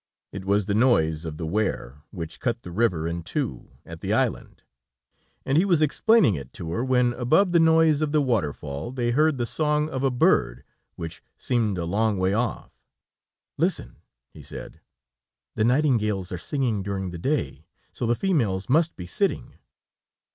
It was the noise of the weir, which cut the river in two, at the island, and he was explaining it to her, when above the noise of the waterfall, they heard the song of a bird, which seemed a long way off. "Listen!" he said; "the nightingales are singing during the day, so the females must be sitting."